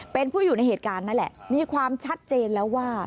เป็นผู้อยู่ในเหตุการณ์นั่นแหละมีความชัดเจนแล้วว่า